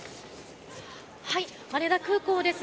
羽田空港です。